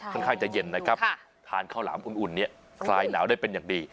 ข้างจะเย็นนะครับทานข้าวหลามอุ่นเนี่ยคลายหนาวได้เป็นอย่างดี